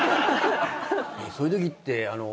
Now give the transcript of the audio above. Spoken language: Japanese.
そういうときってあの。